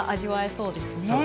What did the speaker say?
そうですね。